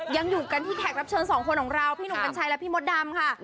ยังอยู่กันที่แขกรับเชิญสองคนของเราพี่หนุ่มกัญชัยและพี่มดดำค่ะ